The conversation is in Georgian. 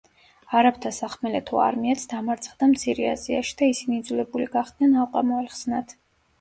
არაბთა სახმელეთო არმიაც დამარცხდა მცირე აზიაში და ისინი იძულებული გახდნენ ალყა მოეხსნათ.